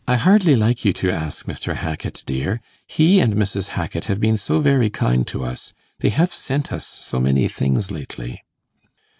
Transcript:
'I hardly like you to ask Mr. Hackit, dear he and Mrs. Hackit have been so very kind to us; they have sent us so many things lately.